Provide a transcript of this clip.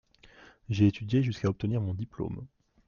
J’ai étudié jusqu’à obtenir mon diplôme.